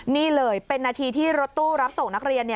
นี่เลยเป็นนาทีที่รถตู้รับส่งนักเรียน